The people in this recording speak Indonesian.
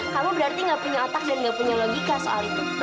kamu berarti gak punya otak dan nggak punya logika soal itu